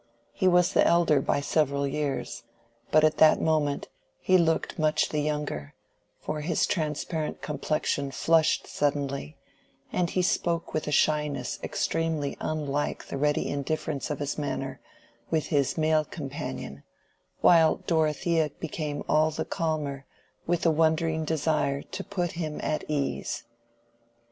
He was the elder by several years, but at that moment he looked much the younger, for his transparent complexion flushed suddenly, and he spoke with a shyness extremely unlike the ready indifference of his manner with his male companion, while Dorothea became all the calmer with a wondering desire to put him at ease.